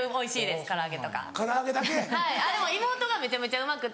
でも妹がめちゃめちゃうまくて。